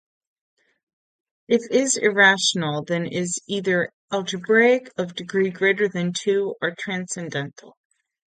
If is irrational, then is either algebraic of degree greater than two, or transcendental.